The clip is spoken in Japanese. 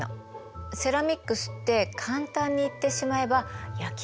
セラミックスって簡単に言ってしまえば焼き物。